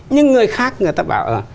nhưng người khác người ta bảo là